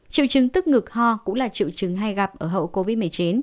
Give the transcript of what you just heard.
triệu chứng tức ngực ho cũng là triệu chứng hay gặp ở hậu covid một mươi chín